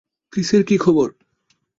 ক্রিসের কী খবর?